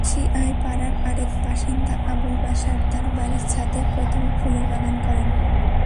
CI পাড়ার আরেক বাসিন্দা আবুল বাশার তাঁর বাড়ির ছাদে প্রথমে ফুলের বাগান করেন।